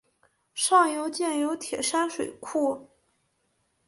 上游建有铁山水库。